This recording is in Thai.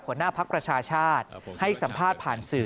ภักดิ์ประชาชาติให้สัมภาษณ์ผ่านสื่อ